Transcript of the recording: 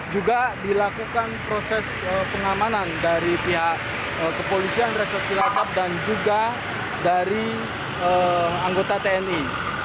juga dilakukan proses pengamanan dari pihak kepolisian resort cilacap dan juga dari anggota tni